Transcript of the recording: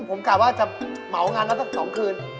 ผมกลายว่าจะเหมางานแล้วตั้งสองคืน